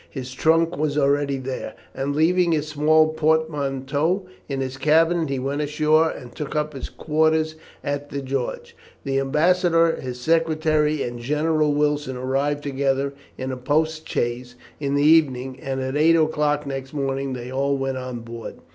His trunk was already there, and leaving his small portmanteau in his cabin, he went ashore and took up his quarters at the George. The ambassador, his secretary, and General Wilson arrived together in a post chaise in the evening, and at eight o'clock next morning they all went on board.